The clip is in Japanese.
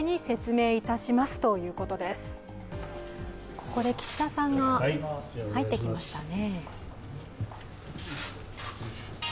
ここで岸田さんが入ってきましたね。